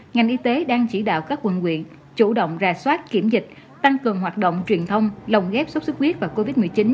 ngành y tế đang chỉ đạo các quân quyện chủ động ra soát kiểm dịch tăng cường hoạt động truyền thông lồng ghép sốc xuất huyết và covid một mươi chín